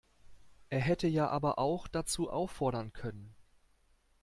Er hätte ja aber auch dazu auffordern können.